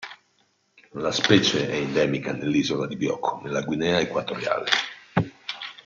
La specie è endemica dell'isola di Bioko, nella Guinea Equatoriale.